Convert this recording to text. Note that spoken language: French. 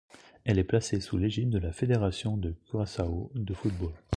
Elle est placée sous l'égide de la Fédération de Curaçao de football.